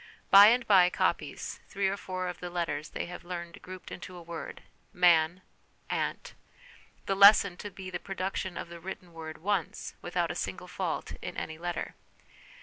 By and by copies, three or four of the letters they have learned grouped into a word ' man,' ' aunt '; the lesson to be the production of the written word once without a single fault in any letter.